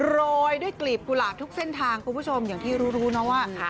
โรยด้วยกลีบกุหลาบทุกเส้นทางคุณผู้ชมอย่างที่รู้รู้นะว่า